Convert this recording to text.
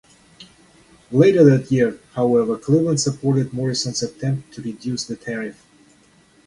Later that year, however, Cleveland supported Morrison's attempt to reduce the tariff.